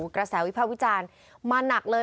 กระแสวิภาควิจารณ์มาหนักเลย